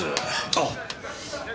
あっ。